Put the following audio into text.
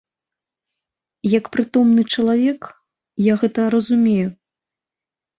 Як прытомны чалавек, я гэта разумею.